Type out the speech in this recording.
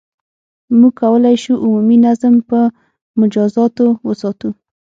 • موږ کولای شو، عمومي نظم په مجازاتو وساتو.